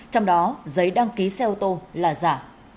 trong đó giấy đăng ký xe ô tô là giả